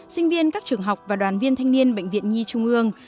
sinh viên các trường học và đoàn viên thanh niên bệnh viện nhi trung ương